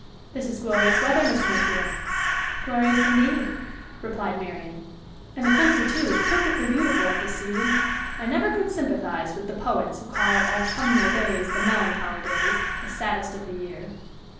"This is glorious weather, Miss Mayfield." "Glorious, indeed!" replied Marian. "And the country, too, is perfectly beautiful at this season. I never could sympathize with the poets who call autumnal days 'the melancholy days the saddest of the year.'"